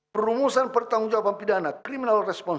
perumusan pertanggungjawaban pidana